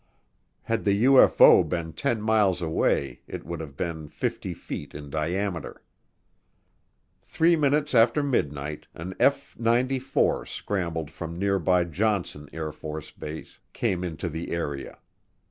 Had the UFO been 10 miles away it would have been 50 feet in diameter. Three minutes after midnight an F 94 scrambled from nearby Johnson AFB came into the area.